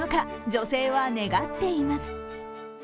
女性は願っています。